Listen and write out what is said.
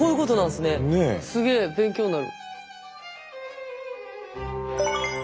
すげえ勉強になる。